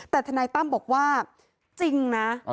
แต่ทนายตั้มบอกว่าจริงนะ